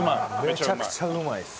めちゃくちゃうまいです！